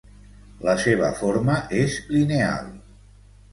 La seva forma és lineal.